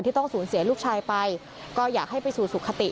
ต้องสูญเสียลูกชายไปก็อยากให้ไปสู่สุขติ